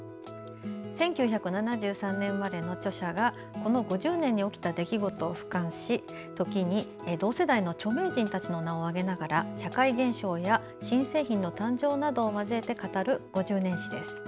１９７３年生まれの著者がこの５０年に起きた出来事をふかんし時に同世代の著名人たちの名を挙げながら社会現象や新製品の誕生などを交えて語る５０年史です。